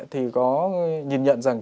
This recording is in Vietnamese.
thì có nhìn nhận rằng